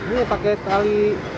ini pakai sekali